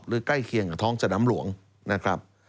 ใกล้เคียงกับท้องสนามหลวงนะครับ